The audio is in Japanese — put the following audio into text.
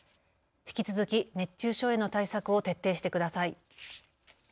引き続き熱中症への対策を徹底してください。